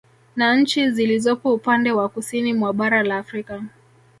Na nchi zilizopo upande wa Kusini mwa bara la Afrika